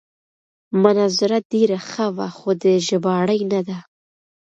مناظره ډېره ښه وه خو د ژباړې نه ده.